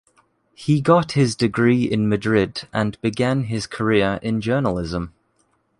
He got his degree in Madrid and began his career in journalism.